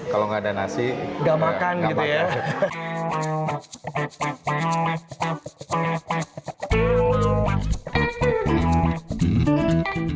kalau nggak ada nasi nggak makan